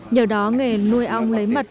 nhờ đó nghề nuôi ong lấy mật